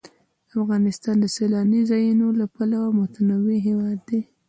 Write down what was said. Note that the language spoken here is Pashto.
افغانستان د سیلاني ځایونو له پلوه متنوع هېواد دی.